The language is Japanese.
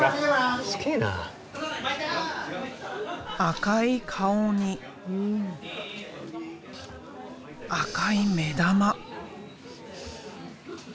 赤い顔に赤い目玉。